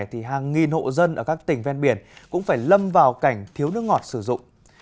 thì hàng nghìn hộ dân ở các tỉnh ven biển cũng phải lâm vào cảnh thiếu nước ngọt sử dụng